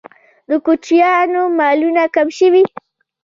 د کوچیانو مالونه کم شوي؟